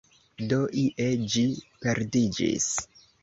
Do ie ĝi perdiĝis.